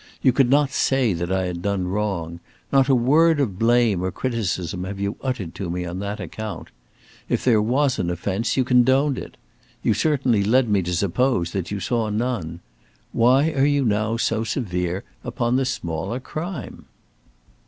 You could not say that I had done wrong. Not a word of blame or criticism have you ever uttered to me on that account. If there was an offence, you condoned it! You certainly led me to suppose that you saw none. Why are you now so severe upon the smaller crime?"